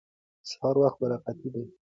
د سهار وخت برکتي دی.